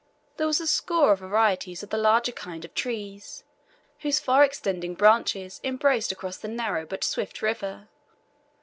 There were a score of varieties of the larger kind of trees, whose far extending branches embraced across the narrow but swift river.